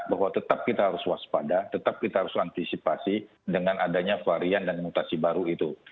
bahwa tetap kita harus waspada tetap kita harus antisipasi dengan adanya varian dan mutasi baru itu